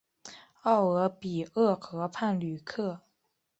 奥尔比厄河畔吕克。